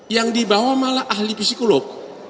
yang dibawa malah ahli psikolog